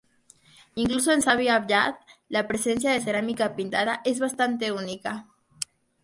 Incluso en Sabi Abyad, la presencia de cerámica pintada es bastante única.